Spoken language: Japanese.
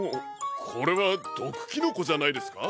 これはどくキノコじゃないですか？